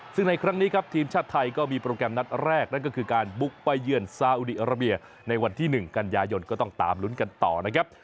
ซึ่งในครั้งนี้ครับทีมชาติไทยก็มีโปรแกรมนัดแรกนั่นก็คือการบุกไปเยือนซาอุดีอาราเบียในวันที่๑กันยายนก็ต้องตามลุ้นกันต่อนะครับ